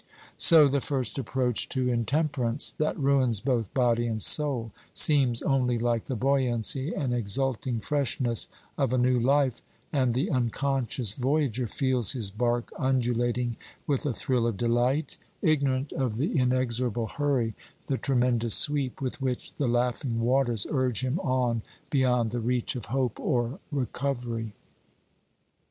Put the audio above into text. So the first approach to intemperance, that ruins both body and soul, seems only like the buoyancy and exulting freshness of a new life, and the unconscious voyager feels his bark undulating with a thrill of delight, ignorant of the inexorable hurry, the tremendous sweep, with which the laughing waters urge him on beyond the reach of hope or recovery.